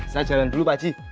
saya jalan dulu pak haji